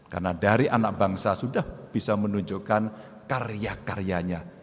karena dari anak bangsa sudah bisa menunjukkan karya karyanya